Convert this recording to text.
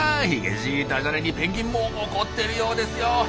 ヒゲじいダジャレにペンギンも怒ってるようですよ。